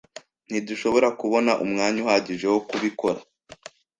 Ntidushobora kubona umwanya uhagije wo kubikora.